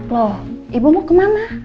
loh ibu mau kemana